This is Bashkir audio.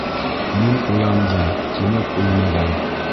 Мин уяндым, тимәк, үлмәгән.